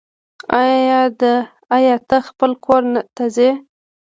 آيا ته خپل کور ته ځي